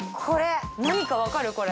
これ何かわかる？